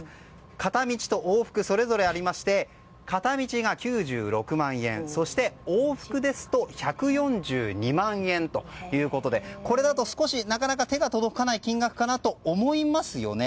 片道と往復それぞれありまして片道が９６万円そして往復ですと１４２万円ということでこれだと少し手が届かない金額だと思いますよね。